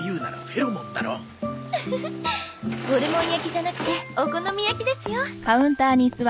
ホルモン焼きじゃなくてお好み焼きですよ。